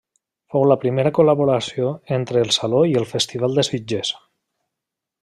Fou la primera col·laboració entre el Saló i el Festival de Sitges.